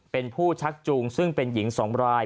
เป็นผู้ชักจูงซึ่งเป็นหญิง๒ราย